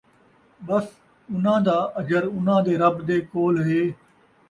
ٻس اُنھاں دا اَجر اُنھاں دے رَبّ دے کولھ ہے،